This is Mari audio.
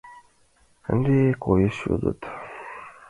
— Ынде коеш? — йодыт.